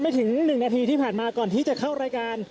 ไม่ถึง๑นาทีที่ผ่านมาก่อนที่จะเข้ารายการ